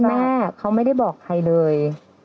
แม่เขาไม่ได้บอกใครเลย